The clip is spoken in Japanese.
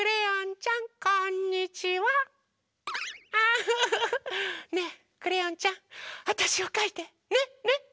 ウフフフねえクレヨンちゃんあたしをかいてねね？